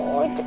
cuk cuk cuk